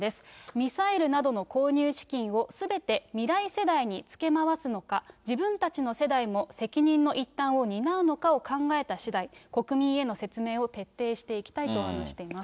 ミサイルなどの購入資金を、すべて未来世代に付け回すのか、自分たちの世代も責任の一端を担うのかを考えたしだい、国民への説明を徹底していきたいと話しています。